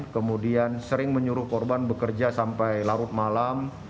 kemudian sering menyuruh korban bekerja sampai larut malam